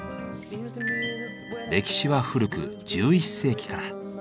歴史は古く１１世紀から。